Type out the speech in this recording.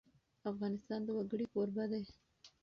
افغانستان د وګړي کوربه دی.